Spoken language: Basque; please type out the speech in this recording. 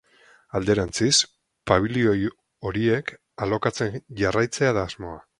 Alderantziz, pabilioi horiek alokatzen jarraitzea da asmoa.